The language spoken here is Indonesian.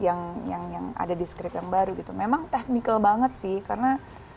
scene by scene yang yang yang yang ada di script yang baru gitu memang technical banget sih karena